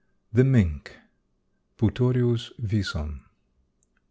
THE MINK. (_Putorius vison.